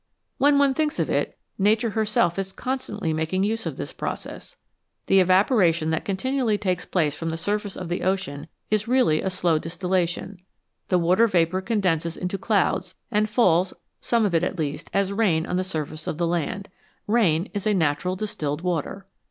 When one thinks of it, Nature herself is constantly making use of this process. The evaporation that continually takes place from the surface of the ocean is really a slow distillation ; the water vapour condenses into clouds, and falls, some of it at least, as rain on the surface of the land. Rain is natural distilled water.